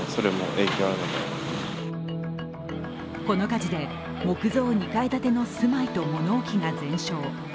この火事で木造２階建ての住まいと物置が全焼。